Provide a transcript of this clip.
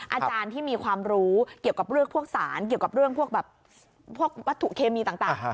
อาจารย์ที่มีความรู้เกี่ยวกับเรื่องพวกสารเกี่ยวกับเรื่องพวกแบบพวกวัตถุเคมีต่าง